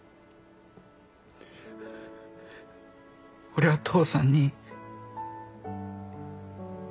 俺は父さんに。